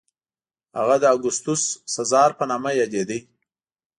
هغه د اګوستوس سزار په نامه یادېده.